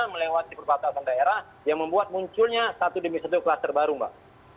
melewati perbatasan daerah yang membuat munculnya satu demi satu kluster baru mbak